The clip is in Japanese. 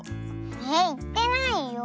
えっいってないよ。